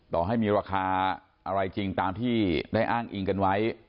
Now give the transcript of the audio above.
ต่อให้มีราคาอะไรจริงตามที่ได้อ้างอิงกันไว้